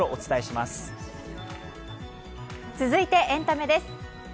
続いてエンタメです。